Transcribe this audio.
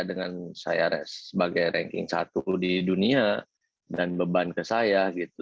dengan saya sebagai ranking satu di dunia dan beban ke saya gitu